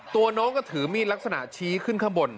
ตัวน้องก็ถือมีดลักษณะชี้ขึ้นข้างบน